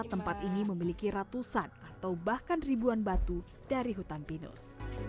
tempat ini memiliki ratusan atau bahkan ribuan batu dari hutan pinus